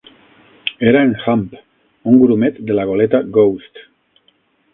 Era en Hump, un grumet de la goleta Ghost.